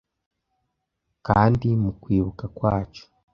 kandi mu kwibuka kwacu